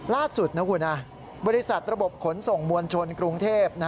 ล่าสุดนะคุณบริษัทระบบขนส่งมวลชนกรุงเทพ